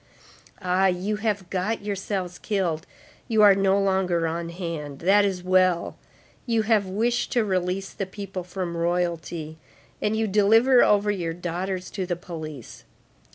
Ah! you have got yourselves killed! You are no longer on hand! That is well; you have wished to release the people from Royalty, and you deliver over your daughters to the police.